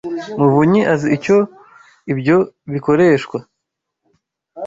muvunyi azi icyo ibyo bikoreshwa.